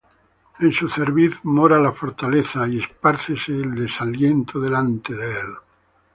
En su cerviz mora la fortaleza, Y espárcese el desaliento delante de él.